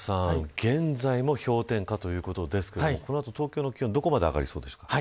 現在も氷点下ということですけどこの後、東京の気温どこまで上がりそうですか。